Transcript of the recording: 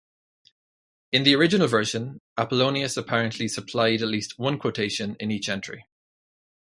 In the original version, Apollonius apparently supplied at least one quotation in each entry.